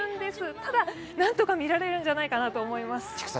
ただなんとか見れるんじゃないかと思います。